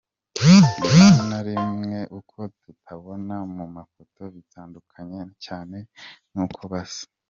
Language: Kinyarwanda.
Rimwe na rimwe uko tubabona mu mafoto bitandukanye cyane n’uko basa .